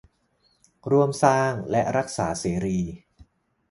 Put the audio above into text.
ร่วมสร้างและรักษาสื่อเสรี